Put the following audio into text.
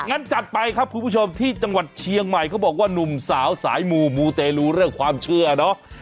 งั้นจัดไปครับคุณผู้ชมที่จังหวัดเชียงใหม่เขาบอกว่านุ่มสาวสายมูมูเตรลูเรื่องความเชื่อเนาะ